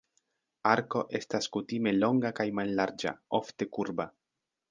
Arko estas kutime longa kaj mallarĝa, ofte kurba.